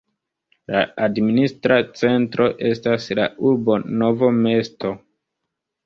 La administra centro estas la urbo Novo mesto.